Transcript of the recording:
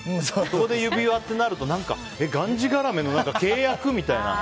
そこで指輪ってなると、何かがんじがらめの契約みたいな。